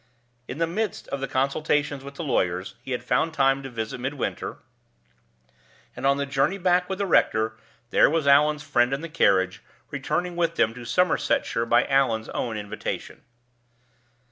In the midst of the consultations with the lawyers he had found time to visit Midwinter, and on the journey back with the rector there was Allan's friend in the carriage, returning with them to Somersetshire by Allan's own invitation.